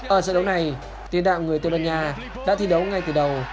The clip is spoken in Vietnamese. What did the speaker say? ở trận đấu này tiến đạo người tây ban nha đã thi đấu ngay từ đầu